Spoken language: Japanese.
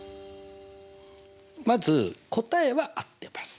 まず答えは合ってます。